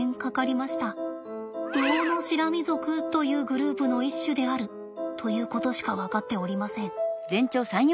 ウオノシラミ属というグループの一種であるということしか分かっておりません。